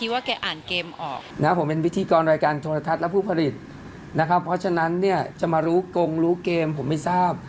วันนี้ก็มีโลแฟตก็มีนะครับ